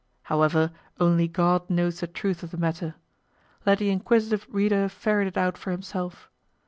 However, only God knows the truth of the matter. Let the inquisitive reader ferret it out for himself.